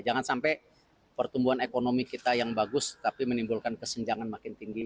jangan sampai pertumbuhan ekonomi kita yang bagus tapi menimbulkan kesenjangan makin tinggi